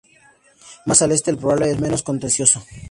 Más al este, el problema es menos contencioso.